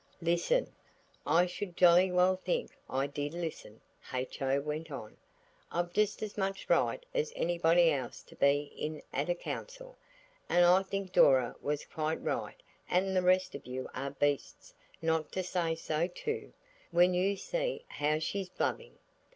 "Listen? I should jolly well think I did listen," H.O. went on. "I've just as much right as anybody else to be in at a council, and I think Dora was quite right and the rest of you are beasts not to say so, too, when you see how she's blubbing.